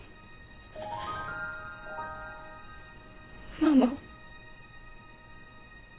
ママ。